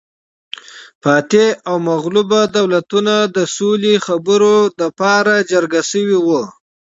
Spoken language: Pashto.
فاتح او مغلوب دولتونه د سولې خبرو لپاره جرګه شوي وو